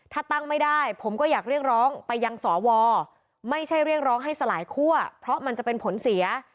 ถ้าตั้งไม่ได้ผมก็อยากเรียกร้องไปยังสวไม่ใช่เรียกร้องให้สลายคั่วเพราะมันจะเป็นผลเสีย